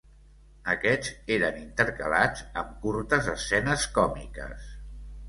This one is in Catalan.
Aquest eren intercalats amb curtes escenes còmiques.